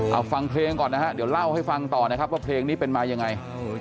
เอาฟังเพลงก่อนนะฮะเดี๋ยวเล่าให้ฟังต่อนะครับว่าเพลงนี้เป็นมายังไง